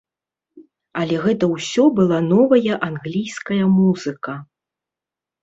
Але гэта ўсё была новая англійская музыка.